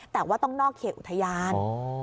แต่ว่าต้องนอกเขตอุทยาน